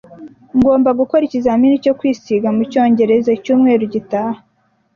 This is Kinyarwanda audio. Ngomba gukora ikizamini cyo kwisiga mucyongereza icyumweru gitaha.